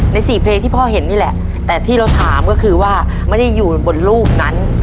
สี่เพลงที่พ่อเห็นนี่แหละแต่ที่เราถามก็คือว่าไม่ได้อยู่บนรูปนั้น